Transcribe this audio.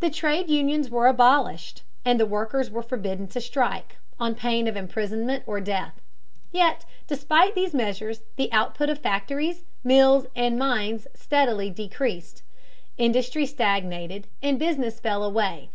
The trade unions were abolished, and the workers were forbidden to strike, on pain of imprisonment or death. Yet despite these measures the output of factories, mills, and mines steadily decreased. Industry stagnated, and business fell away.